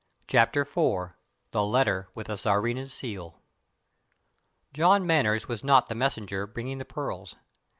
CHAPTER IV THE LETTER WITH THE TSARINA'S SEAL John Manners was not the messenger bringing the pearls.